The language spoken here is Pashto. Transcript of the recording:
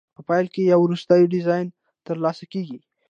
په پایله کې یو وروستی ډیزاین ترلاسه کیږي.